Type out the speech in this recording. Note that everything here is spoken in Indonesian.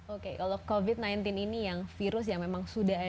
oke kalau covid sembilan belas ini yang virus yang memang sudah ada